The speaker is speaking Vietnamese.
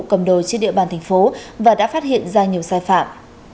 cầm đồ trên địa bàn tp và đã phát hiện ra nhiều sai phạm